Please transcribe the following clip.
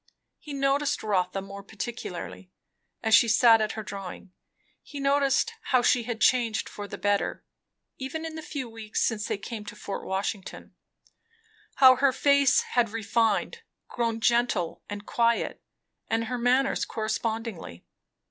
He noticed Rotha more particularly, as she sat at her drawing. He noticed how she had changed for the better, even in the few weeks since they came to Fort Washington; how her face had refined, grown gentle and quiet, and her manners correspondingly.